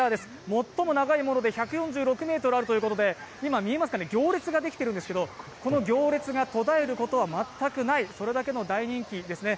最も長いもので１４６ｍあるということで今、行列ができているんですけれども、この行列が途絶えることは全くない、それだけの大人気ですね。